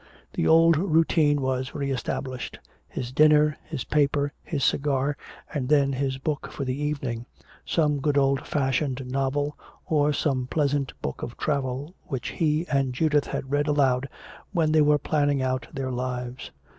The old routine was re established his dinner, his paper, his cigar and then his book for the evening, some good old fashioned novel or some pleasant book of travel which he and Judith had read aloud when they were planning out their lives.